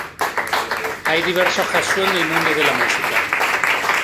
Hay diversos Jesús en el mundo de la música".